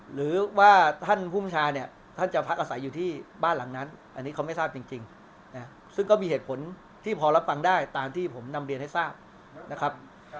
หรือว่าท่านภูมิชาเนี่ยท่านจะพักอาศัยอยู่ที่บ้านหลังนั้นอันนี้เขาไม่ทราบจริงซึ่งก็มีเหตุผลที่พอรับฟังได้ตามที่ผมนำเรียนให้ทราบนะครับ